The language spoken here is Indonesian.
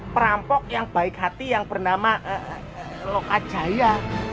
perampok yang baik hati yang bernama lokajaya